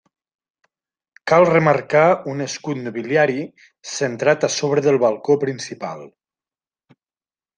Cal remarcar un escut nobiliari centrat a sobre del balcó principal.